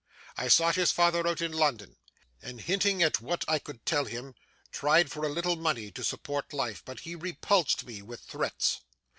I sought his father out in London, and hinting at what I could tell him, tried for a little money to support life; but he repulsed me with threats.